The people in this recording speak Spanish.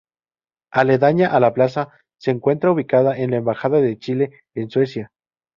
Aledaña a la plaza se encuentra ubicada la embajada de Chile en Suecia.